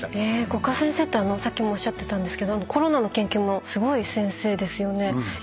五箇先生ってさっきもおっしゃってたんですけどコロナの研究もすごい先生ですよね。